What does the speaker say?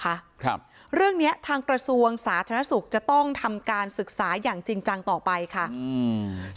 ครับเรื่องเนี้ยทางกระทรวงสาธารณสุขจะต้องทำการศึกษาอย่างจริงจังต่อไปค่ะอืม